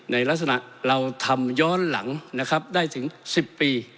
ในลักษณะเราทำย้อนหลังนะครับได้ถึง๑๐ปี